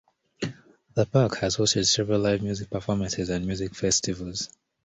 The park has hosted several live music performances and music festivals.